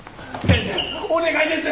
先生お願いです！